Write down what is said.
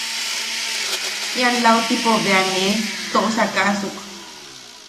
Ian lautipo bea nee toʼosakaʼasuk.